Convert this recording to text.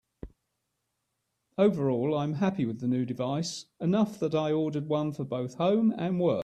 Overall I'm happy with the new device, enough that I ordered one for both home and work.